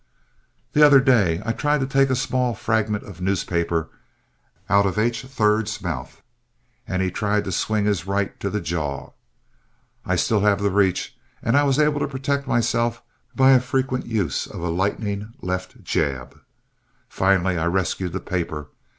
The other day I tried to take a small fragment of newspaper out of H. 3rd's mouth, and he tried to swing his right to the jaw. I still have the reach, and I was able to protect myself by a frequent use of a lightning left jab. Finally I rescued the paper.